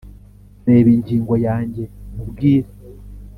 reba ingingo ya nge nkubwire